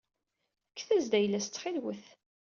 Fket-as-d ayla-as ttxil-wet.